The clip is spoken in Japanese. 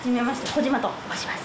小島と申します。